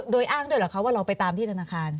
โดยอ้างด้วยเหรอคะว่าเราไปตามที่ธนาคาร